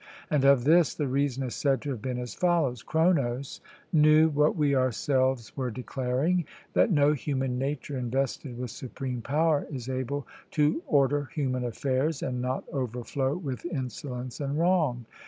And of this the reason is said to have been as follows: Cronos knew what we ourselves were declaring, that no human nature invested with supreme power is able to order human affairs and not overflow with insolence and wrong.